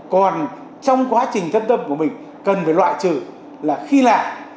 còn trong quá trình thâm tâm của mình cần phải loại trừ là khi làm